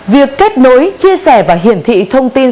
việc kết nối chia sẻ và hiển thị thông tin